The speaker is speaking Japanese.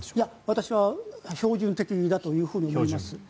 私は標準的だと思います。